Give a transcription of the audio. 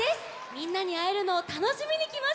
みんなにあえるのをたのしみにきました。